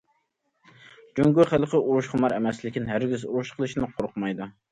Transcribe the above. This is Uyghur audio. جۇڭگو خەلقى ئۇرۇشخۇمار ئەمەس، لېكىن ھەرگىز ئۇرۇش قىلىشتىن قورقمايدۇ.